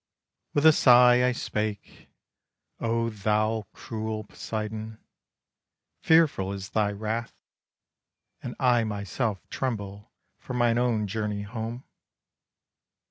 With a sigh I spake: "Oh, thou cruel Poseidon, Fearful is thy wrath, And I myself tremble For mine own journey home."